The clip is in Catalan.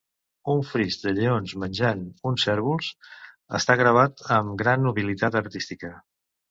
Un fris de lleons menjant uns cérvols està gravat amb gran habilitat artística.